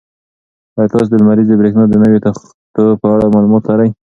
ایا تاسو د لمریزې برېښنا د نویو تختو په اړه معلومات لرئ؟